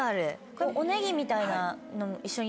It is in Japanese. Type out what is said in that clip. このおネギみたいなのも一緒に？